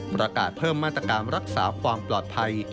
ประกาศเพิ่มมาตรการรักษาความปลอดภัย